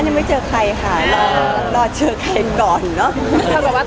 อันนี้ไม่เจอใครค่ะรอเจอใครก่อนเนอะ